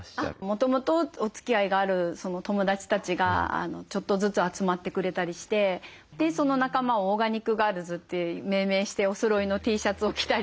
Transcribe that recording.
もともとおつきあいがある友達たちがちょっとずつ集まってくれたりしてその仲間を「オーガニックガールズ」って命名しておそろいのＴシャツを着たり。